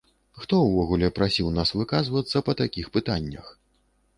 Хто ўвогуле прасіў нас выказвацца па такіх пытаннях?